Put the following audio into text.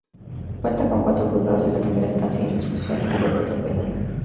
Cuenta con cuatro juzgados de Primera Instancia e Instrucción y dos de lo Penal.